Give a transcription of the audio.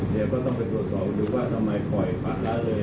เดี๋ยวก็ต้องไปตรวจสอบดูว่าทำไมปล่อยปัดได้เลย